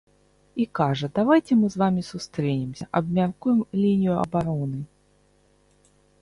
І кажа, давайце мы з вамі сустрэнемся, абмяркуем лінію абароны.